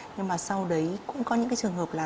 nhưng mà sau đấy cũng có những cái trường hợp là